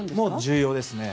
重要ですね。